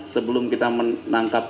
sebelum kita menangkap